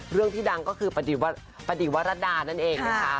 เรื่องที่ดังก็คือประดิษฐวรดานั่นเองนะคะ